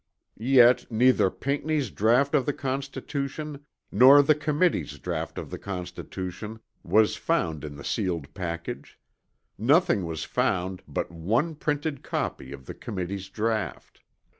Yet neither Pinckney's draught of the Constitution, nor the Committee's draught of the Constitution, was found in the sealed package; nothing was found but one printed copy of the Committee's draught.